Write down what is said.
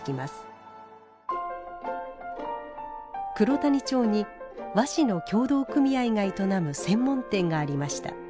黒谷町に和紙の協同組合が営む専門店がありました。